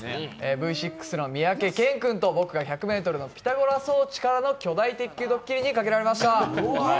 Ｖ６の三宅健君と僕が１００ｍのピタゴラ装置からの巨大鉄球ドッキリにかけられました。